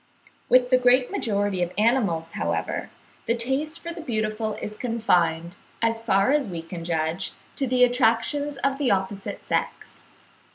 With the great majority of animals, however, the taste for the beautiful is confined, as far as we can judge, to the attractions of the opposite sex.